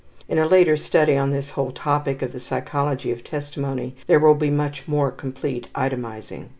In a later study on this whole topic of the psychology of testimony there will be much more complete itemizing.